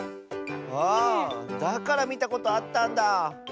あだからみたことあったんだ。